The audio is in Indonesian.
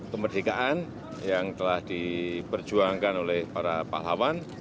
kemerdekaan yang telah diperjuangkan oleh para pahlawan